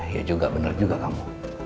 ya juga benar juga kamu